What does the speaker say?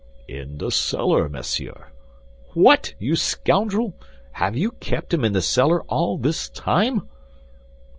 "In the cellar, monsieur." "What, you scoundrel! Have you kept him in the cellar all this time?"